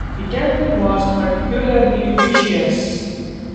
The campaign was particularly vicious.